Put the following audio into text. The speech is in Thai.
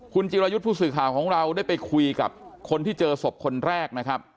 คุณจิรายุทธ์ผู้สื่อข่าวของเราได้ไปคุยกับคนที่เจอศพคนแรกนะครับ